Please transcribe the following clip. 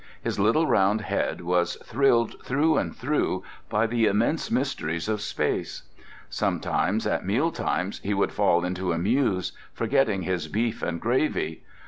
His little round head was thrilled through and through by the immense mysteries of space; sometimes at meal times he would fall into a muse, forgetting his beef and gravy.